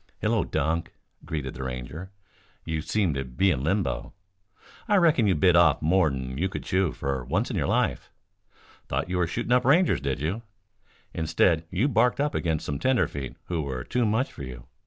"Hullo, Dunk," greeted the Ranger. "You seem to be in limbo. I reckon you bit off more'n you could chew, for once in your life. Thought you were shooting up Rangers, did you? Instead you barked up against some tenderfeet who were too much for you.